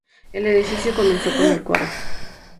El edificio comenzó con el coro.